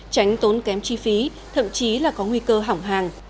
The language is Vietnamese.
tránh tốn kém chi phí thậm chí là có nguy cơ hỏng hàng